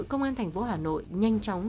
công an thành phố hà nội nhanh chóng